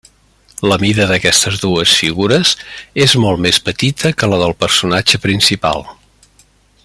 La mida d'aquestes dues figures és molt més petita que la del personatge principal.